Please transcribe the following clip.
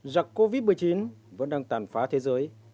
giặc covid một mươi chín vẫn đang tàn phá thế giới